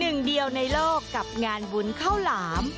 หนึ่งเดียวในโลกกับงานบุญข้าวหลาม